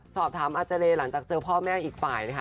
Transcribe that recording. สอบถามอาเจรหลังจากเจอพ่อแม่อีกฝ่ายนะคะ